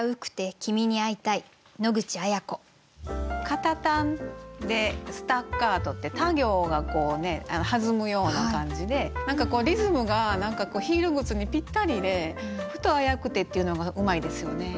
「かたたん」で「スタッカート」ってた行が弾むような感じで何かリズムがヒール靴にぴったりで「ふとあやうくて」っていうのがうまいですよね。